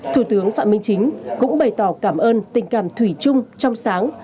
thủ tướng phạm minh chính cũng bày tỏ cảm ơn tình cảm thủy chung trong sáng